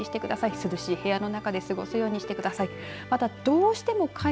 涼しい部屋の中で過ごすようにしてください。